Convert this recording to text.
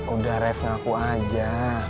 udah rev ngaku aja